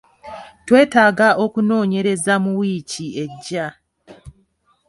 Twetaaga okunoonyereza mu wiiki ejja.